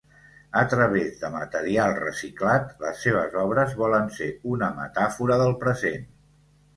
A través de material reciclat, les seves obres volen ser una metàfora del present.